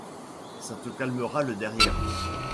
Ça te calmera le derrière.